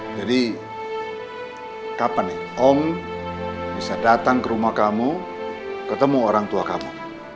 jadi kapan nih om bisa datang ke rumah kamu ketemu orang tua kamu